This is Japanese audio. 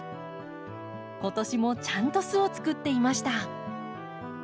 今年もちゃんと巣をつくっていました。